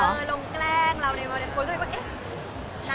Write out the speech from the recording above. ลงแกล้งเราในวาเลนท์โฟสเลยว่า